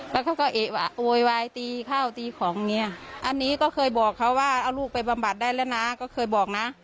แล้วเขาก็เอะโวยวายตีข้าวตีของเนี่ยอันนี้ก็เคยบอกเขาว่าเอาลูกไปบำบัดได้แล้วนะก็เคยบอกนะ